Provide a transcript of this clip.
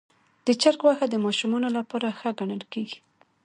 د چرګ غوښه د ماشومانو لپاره ښه ګڼل کېږي.